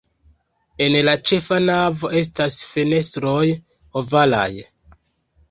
En la ĉefa navo estas fenestroj ovalaj.